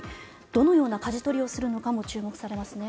どのようなかじ取りをするのかも注目されますね。